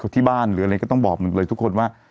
ที่บ้านหรืออะไรก็ต้องบอกหมดเลยทุกคนว่า